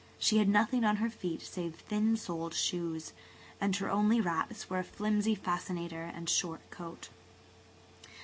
She had nothing on her feet save thin soled shoes, and her only wraps were a flimsy fascinator and a short coat.